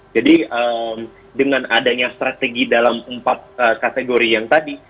jadi dengan adanya strategi dalam empat kategori yang tadi